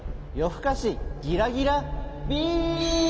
ふかしギラギラビーム！